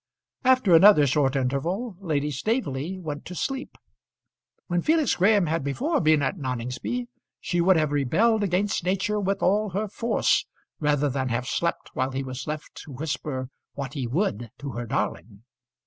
After another short interval Lady Staveley went to sleep. When Felix Graham had before been at Noningsby, she would have rebelled against nature with all her force rather than have slept while he was left to whisper what he would to her darling.